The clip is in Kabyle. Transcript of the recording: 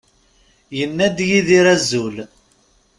Yenna-d Yidir azul.